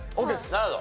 なるほど。